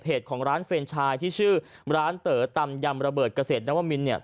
ของร้านเฟรนชายที่ชื่อร้านเต๋อตำยำระเบิดเกษตรนวมินเนี่ย